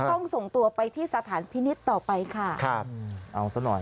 ต้องส่งตัวไปที่สถานพินิษฐ์ต่อไปค่ะครับเอาซะหน่อย